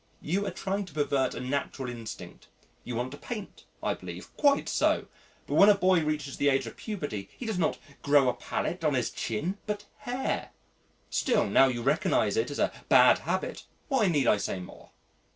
You are trying to pervert a natural instinct. You want to paint, I believe. Quite so. But when a boy reaches the age of puberty he does not grow a palette on his chin but hair.... Still, now you recognise it as a bad habit, why need I say more?"